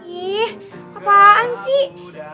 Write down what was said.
ih apaan sih